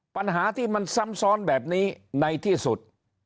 ปัญหาที่มันซ้ำซ้อนแบบนี้ในที่สุด